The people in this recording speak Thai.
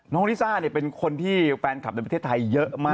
ลิซ่าเป็นคนที่แฟนคลับในประเทศไทยเยอะมาก